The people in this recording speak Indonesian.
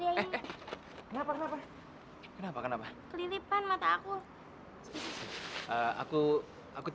aku ngerasa aku gak pantas deket sama kamu sat